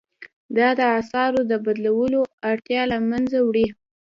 دا د اسعارو د بدلولو اړتیا له مینځه وړي.